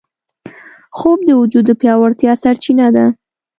خوب د وجود د پیاوړتیا سرچینه ده